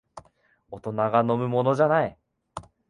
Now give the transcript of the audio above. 大人が飲むものじゃない